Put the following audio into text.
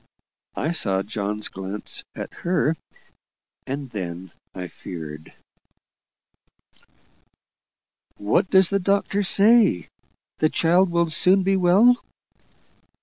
I saw John's glance at her, and then and then I feared. "What does the doctor say? The child will soon be well?"